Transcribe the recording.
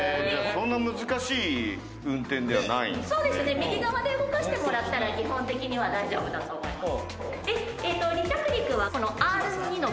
右側で動かしてもらえれば基本的には大丈夫だと思います。